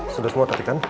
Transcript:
sudah semua tadi kan